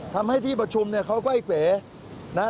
ทำให้ที่ประชุมเขาไกวเกวะ